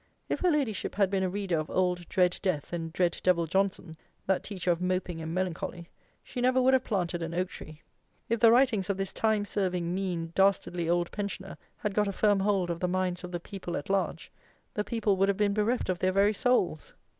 If her Ladyship had been a reader of old dread death and dread devil Johnson, that teacher of moping and melancholy, she never would have planted an oak tree. If the writings of this time serving, mean, dastardly old pensioner had got a firm hold of the minds of the people at large, the people would have been bereft of their very souls.